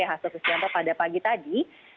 hasil pesantren pada pagi tadi